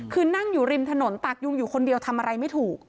คือนั่งอยู่ริมถนนตากยุงอยู่คนเดียวทำอะไรไม่ถูก